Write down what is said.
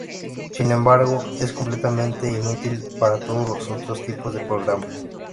Sin embargo, es completamente inútil para todos los otros tipos de programas.